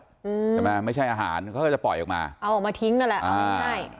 ใช่ไหมไม่ใช่อาหารเขาก็จะปล่อยออกมาเอาออกมาทิ้งนั่นแหละเอาง่าย